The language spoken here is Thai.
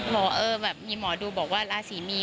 บอกว่าเออมีหมอดูบอกว่าลาสีมี